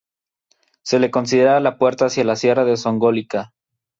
Se le considera la puerta hacia la Sierra de Zongolica.